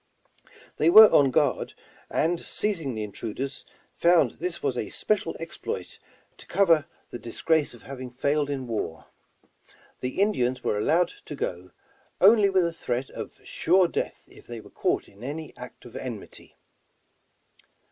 They were on guard, and seizing the intruders found this was a special exploit to cover the disgrace of having failed in war. The Indians were allowed to go, only with a 175 The Original John Jacob Astor threat of sure death if they were caught in any act of enmity.